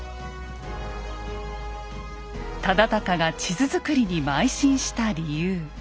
忠敬が地図作りにまい進した理由。